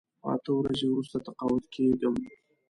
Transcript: خو اته ورځې وروسته تقاعد کېږم.